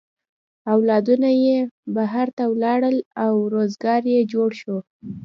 اولادونه یې بهر ته ولاړل او روزگار یې جوړ شو.